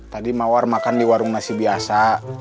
tadi mawar makan di warung nasi biasa